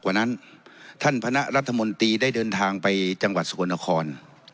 กว่านั้นท่านคณะรัฐมนตรีได้เดินทางไปจังหวัดสกลนคร